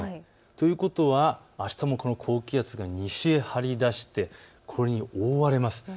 ということは、あしたもこの高気圧が西へ張り出してこれに覆われます。